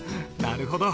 なるほど。